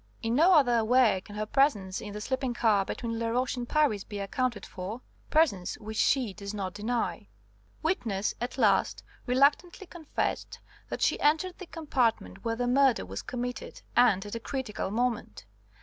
In no other way can her presence in the sleeping car between Laroche and Paris be accounted for presence which she does not deny.) "Witness at last reluctantly confessed that she entered the compartment where the murder was committed, and at a critical moment.